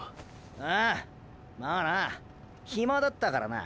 ああ⁉まあなヒマだったからな。